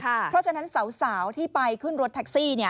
เพราะฉะนั้นสาวที่ไปขึ้นรถแท็กซี่